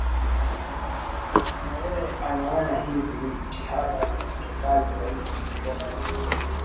na yeye anaona hizi ni jitihada za serikali rais nicolas sarkozy